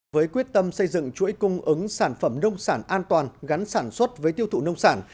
với quyết tâm xây dựng chuỗi cung ứng sản phẩm nông sản an toàn gắn sản xuất với tiêu thụ nông sản